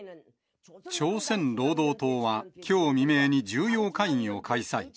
朝鮮労働党は、きょう未明に重要会議を開催。